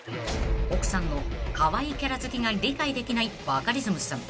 ［奥さんのカワイイキャラ好きが理解できないバカリズムさん］